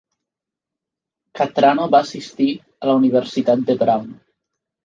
Cattrano va assistir a la Universitat de Brown.